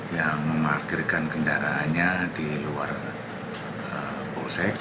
yang memarkirkan kendaraannya di luar polsek